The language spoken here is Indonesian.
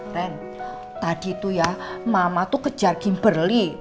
ren tadi tuh ya mama tuh kejar kimberly